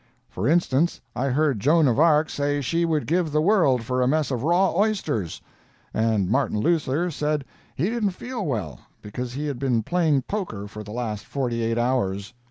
For instance, I heard Joan of Arc say she would give the world for a mess of raw oysters, and Martin Luther said he didn't feel well, because he had been playing poker for the last forty eight hours.